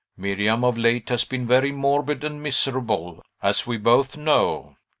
Miriam of late has been very morbid and miserable, as we both know.